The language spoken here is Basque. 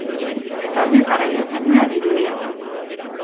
Talde garaiezina dirudi egun.